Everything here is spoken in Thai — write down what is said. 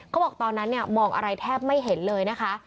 เขาบอกตอนนั้นมองอะไรแทบไม่เห็นเลยนะคะ